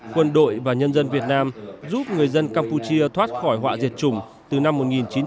quân đội và nhân dân việt nam giúp người dân campuchia thoát khỏi họa diệt chủng từ năm một nghìn chín trăm bảy mươi